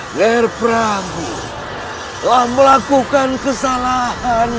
nger prabu telah melakukan kesalahan